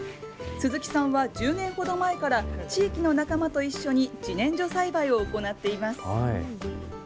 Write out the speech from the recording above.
鈴木さんは１０年ほど前から、地域の仲間と一緒に、じねんじょ栽培を行っています。